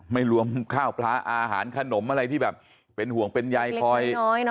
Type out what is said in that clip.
ไม่รวมข้าวปลาอาหารขนมอะไรที่แบบเป็นห่วงเป็นใยคอย